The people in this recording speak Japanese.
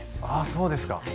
あそうですか。